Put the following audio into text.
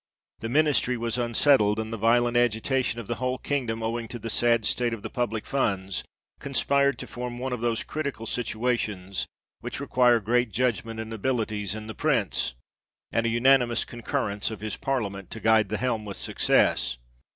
The ministry was unsettled, and the violent agitation of the whole kingdom, owing to the sad state of the public funds, conspired to form one of those critical situations which require great judgement and abilities in the Prince, and a unanimous concurrence of his parliament, to guide the helm with success.